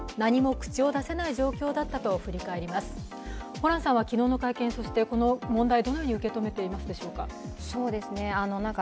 ホランさんは昨日の会見、この問題、どのように受け止めていますでしょうか？